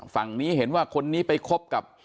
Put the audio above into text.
ฝั่งนี้เห็นว่าคนนี้ไปคบกับ